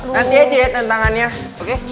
nanti aja ya tantangannya oke